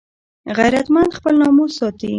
غیرتمند خپل ناموس ساتي